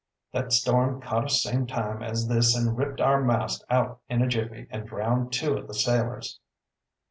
Thet storm caught us same time as this an' ripped our mast out in a jiffy and drowned two o' the sailors."